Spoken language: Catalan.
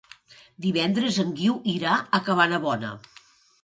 Divendres en Guiu irà a Cabanabona.